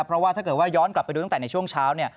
เพราะว่าถ้าเกิดว่าย้อนกลับไปดูตั้งแต่ในช่วงเช้า